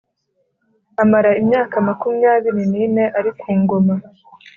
amara imyaka makumyabiri n’ine ari ku ngoma